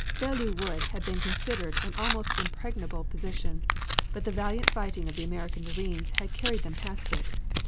Belleau Wood had been considered an almost impregnable position, but the valiant fighting of the American Marines had carried them past it.